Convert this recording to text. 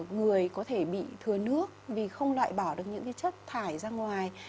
người có thể bị thừa nước vì không loại bỏ được những chất thải ra ngoài